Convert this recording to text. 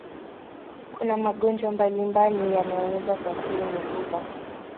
Kuna magonjwa mbalimbali yanayoweza kuathiri mifupa.